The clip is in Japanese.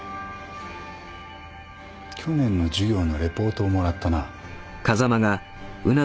去年の授業のレポートをもらったな。